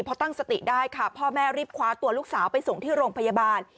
พอตั้งสติได้ค่ะพ่อแม่รีบคว้าตัวลูกสาวไปส่งที่โรงพยาบาล